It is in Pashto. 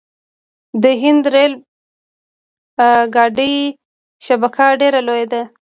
د هند ریل ګاډي شبکه ډیره لویه ده.